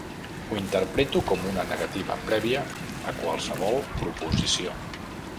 Ho interpreto com una negativa prèvia a qualsevol proposició.